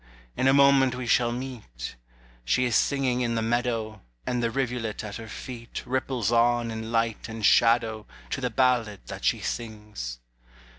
In a moment we shall meet; She is singing in the meadow, And the rivulet at her feet Ripples on in light and shadow To the ballad that she sings.